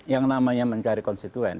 yang namanya mencari konstituen